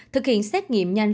thực hiện xét nghiệm nhanh